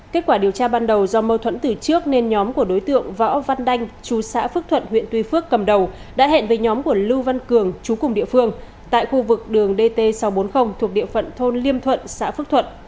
kết quả điều tra ban đầu do mâu thuẫn từ trước nên nhóm của đối tượng võ văn đanh chú xã phước thuận huyện tuy phước cầm đầu đã hẹn với nhóm của lưu văn cường chú cùng địa phương tại khu vực đường dt sáu trăm bốn mươi thuộc địa phận thôn liêm thuận xã phước thuận